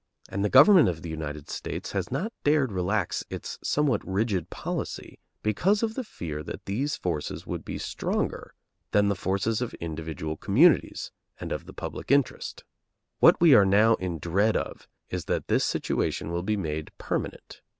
And the government of the United States has not dared relax its somewhat rigid policy because of the fear that these forces would be stronger than the forces of individual communities and of the public interest. What we are now in dread of is that this situation will be made permanent.